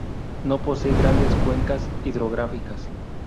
No posee grandes cuencas hidrográficas.